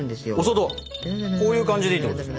こういう感じでいいってことですか？